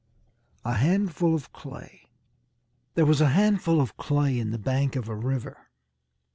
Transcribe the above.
A HANDFUL OF CLAY There was a handful of clay in the bank of a river.